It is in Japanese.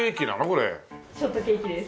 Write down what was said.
ショートケーキです。